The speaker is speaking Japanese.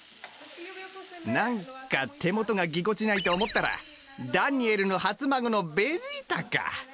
何か手元がぎこちないと思ったらダニエルの初孫のベジータか。